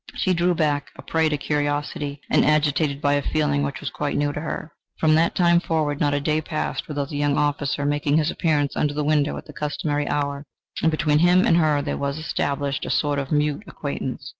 She drew back, a prey to curiosity and agitated by a feeling which was quite new to her. From that time forward not a day passed without the young officer making his appearance under the window at the customary hour, and between him and her there was established a sort of mute acquaintance.